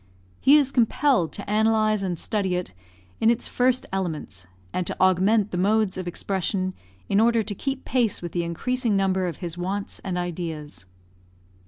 He is compelled to analyse and study it in its first elements, and to augment the modes of expression in order to keep pace with the increasing number of his wants and ideas.